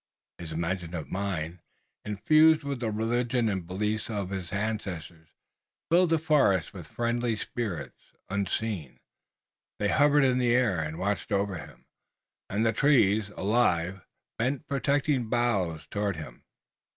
His imaginative mind, infused with the religion and beliefs of his ancestors, filled the forest with friendly spirits. Unseen, they hovered in the air and watched over him, and the trees, alive, bent protecting boughs toward him.